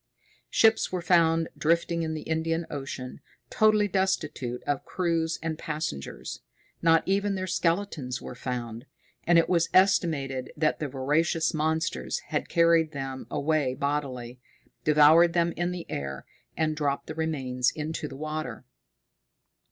Ships were found drifting in the Indian Ocean, totally destitute of crews and passengers; not even their skeletons were found, and it was estimated that the voracious monsters had carried them away bodily, devoured them in the air, and dropped the remains into the water.